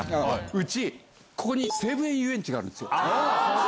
うちここに西武園ゆうえんちがあるんですよ。